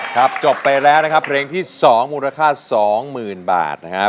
จบไปแล้วนะครับเพลงที่๒มูลค่า๒๐๐๐บาทนะครับ